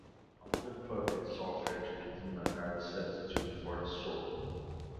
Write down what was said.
A wooden puppet is offered to the demon as a substitute for the soul.